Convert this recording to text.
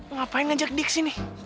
ngapain ngajak dia ke sini